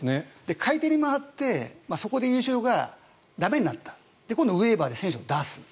買い手に回ってそこで優勝が駄目になった今度はウェーバーで選手を出す。